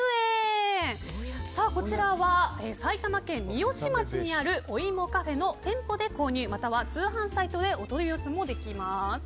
こちらは埼玉県三芳町にあるＯＩＭＯｃａｆｅの店舗で購入または通販サイトでお取り寄せもできます。